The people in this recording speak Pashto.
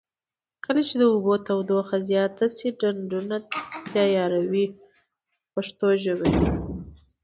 کله چې د اوبو تودوخه زیاته شي ډنډونه تیاروي په پښتو ژبه.